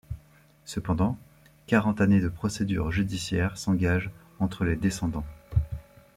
Cependant, quarante années de procédures judiciaires s'engagent entre les descendants.